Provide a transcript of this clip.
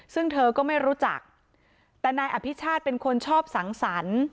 ซึ่งเธอก็ไม่รู้จักแต่นายอภิชาติเป็นคนชอบสังสรรค์